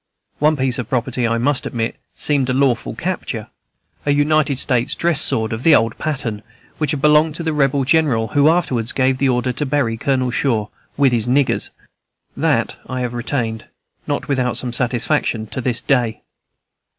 One piece of property, I must admit, seemed a lawful capture, a United States dress sword, of the old pattern, which had belonged to the Rebel general who afterwards gave the order to bury Colonel Shaw "with his niggers." That I have retained, not without some satisfaction, to this day.